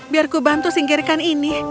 biar ku bantu singkirkan ini